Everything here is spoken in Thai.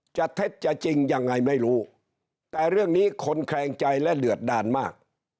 เท็จจะจริงยังไงไม่รู้แต่เรื่องนี้คนแคลงใจและเดือดดานมาก